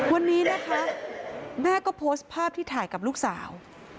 วันนี้นะคะแม่ก็โพสต์ภาพที่ถ่ายกับลูกสาว